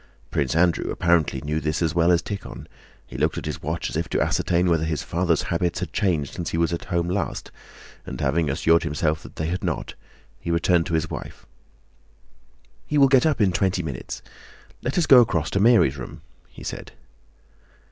Prince Andrew apparently knew this as well as Tíkhon; he looked at his watch as if to ascertain whether his father's habits had changed since he was at home last, and, having assured himself that they had not, he turned to his wife. "He will get up in twenty minutes. Let us go across to Mary's room," he said.